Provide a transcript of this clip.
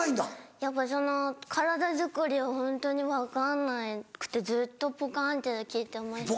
やっぱその体づくりはホントに分かんなくてずっとポカンって聞いてました。